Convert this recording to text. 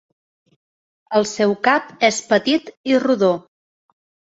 El seu cap és petit i rodó.